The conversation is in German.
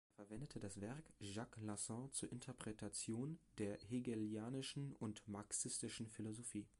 Er verwendete das Werk Jacques Lacans zur Interpretation der hegelianischen und marxistischen Philosophie.